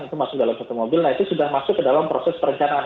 itu masuk dalam satu mobil nah itu sudah masuk ke dalam proses perencanaan